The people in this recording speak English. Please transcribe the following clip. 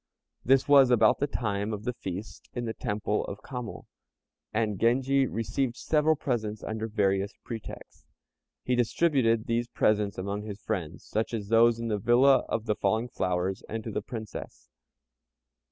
This was about the time of the feast in the Temple of Kamo, and Genji received several presents under various pretexts. He distributed these presents among his friends, such as those in the villa of "the falling flowers," and to the Princess.